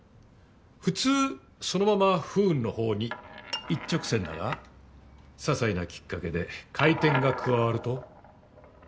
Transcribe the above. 普通そのまま不運の方に一直線だが些細なきっかけで回転が加わると。